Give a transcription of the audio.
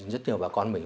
rất nhiều bà con mình